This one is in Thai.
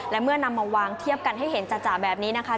และเมื่อนำมาวางเทียบกันให้เห็นจ่ะแบบนี้นะคะ